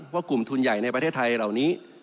ว่ากลุ่มทุนใหญ่ในประเทศไทยเหล่านี้